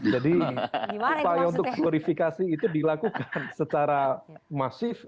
jadi upaya untuk glorifikasi itu dilakukan secara masif